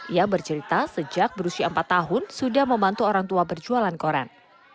ia bercerita sejak berusia empat tahun sudah membantu orang tua berjualan koran